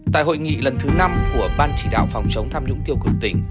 tại hội nghị lần thứ năm của ban chỉ đạo phòng chống tham nhũng tiêu cực tỉnh